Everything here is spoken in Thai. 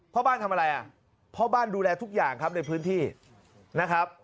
พ่อบ้านทำอะไรอ่ะพ่อบ้านดูแลทุกอย่างครับในพื้นที่นะครับ